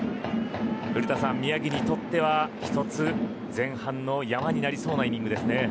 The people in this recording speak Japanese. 古田さん、宮城にとっては一つ前半の山になりそうなそうですね。